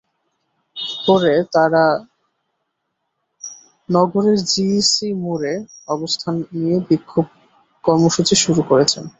পরে তাঁরা নগরের জিইসি মোড়ে অবস্থান নিয়ে বিক্ষোভ কর্মসূচি শুরু করেছেন।